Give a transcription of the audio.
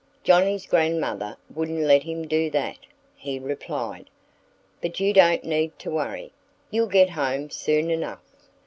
"Johnnie's grandmother wouldn't let him do that," he replied. "But you don't need to worry. You'll get home soon enough."